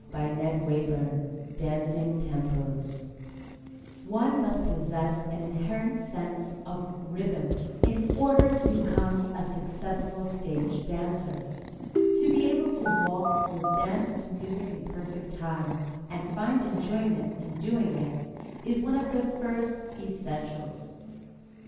] DANCING TEMPOS One must possess an inherent sense of rhythm in order to become a successful stage dancer. To be able to walk or dance to music in perfect time, and find enjoyment in doing it, is one of the first essentials.